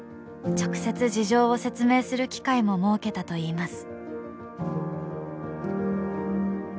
直接、事情を説明する機会も設けたといいます。